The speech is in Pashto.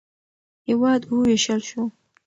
هېواد ووېشل شو.